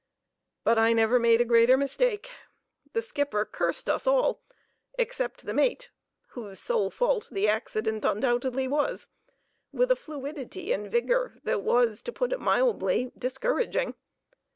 But I never made a greater mistake. The skipper cursed us all (except the mate, whose sole fault the accident undoubtedly was) with a fluency and vigor that was, to put it mildly, discouraging.